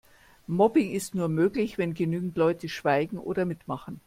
Mobbing ist nur möglich, wenn genügend Leute schweigen oder mitmachen.